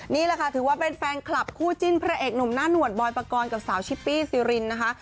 นี่แหละค่ะถือว่าเป็นแฟนคลับคู่จิ้นพระเอกหนุ่มหน้าหนวดบอยปกรณ์กับสาวชิปปี้ซิรินนะคะ